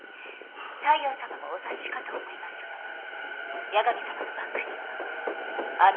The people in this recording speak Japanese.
大陽さまもお察しかと思いますが八神さまのバックにはあの方が。